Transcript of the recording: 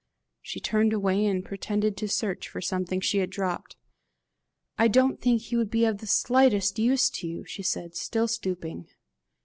She turned away, and pretended to search for something she had dropped. "I don't think he would be of the slightest use to you," she said, still stooping.